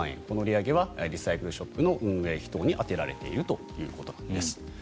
この売り上げはリサイクルショップの運営費等に充てられるということなんです。